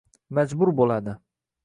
majbur bo‘ladi